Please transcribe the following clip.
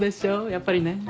やっぱりね。